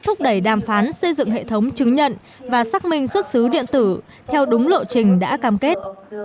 thúc đẩy đàm phán xây dựng hệ thống chứng nhận và xác minh xuất xứ điện tử theo đúng lộ trình đã cam kết